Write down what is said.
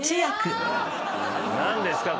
何ですか？